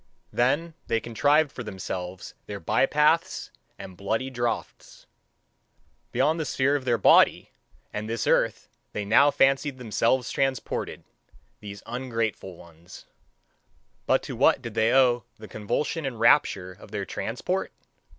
Then they contrived for themselves their by paths and bloody draughts! Beyond the sphere of their body and this earth they now fancied themselves transported, these ungrateful ones. But to what did they owe the convulsion and rapture of their transport?